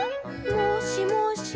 「もしもし？